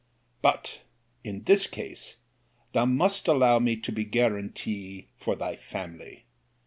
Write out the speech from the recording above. But, in this case, thou must allow me to be guarantee for thy family.